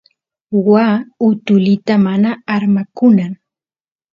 waa utulita mana armakunan